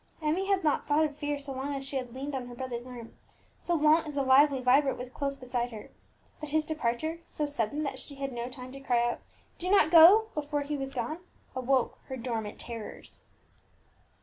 Emmie had not thought of fear so long as she had leaned on her brother's arm, so long as the lively Vibert was close beside her; but his departure so sudden, that she had no time to cry "Do not go!" before he was gone awoke her dormant terrors.